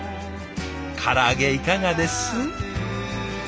から揚げいかがです？